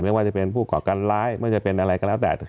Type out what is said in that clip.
ไม่ว่าจะเป็นผู้ก่อการร้ายไม่ว่าจะเป็นอะไรก็แล้วแต่